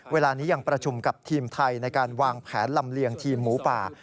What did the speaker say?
เวลานี้ยังประชุมกับทีมไทยในการวางแผนลำเลียงทีมหมูป่า